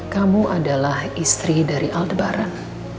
kamu adalah istri dari alterbaran